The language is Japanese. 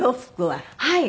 はい。